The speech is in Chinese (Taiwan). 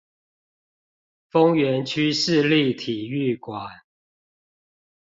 豐原區市立體育館